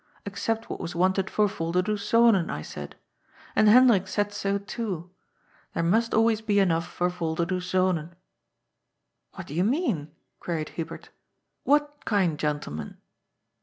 Except what was wanted for Volderdoes Zonen, I said. And Hendrik said so too. There must always be enough for Volderdoes Zonen." " What do you mean ?" queried Hubert " What kind gentleman